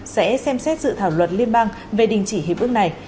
sẽ xem xét dự thảo luật liên bang về đình chỉ hiệp ước này